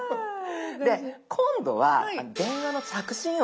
で今度は電話の着信音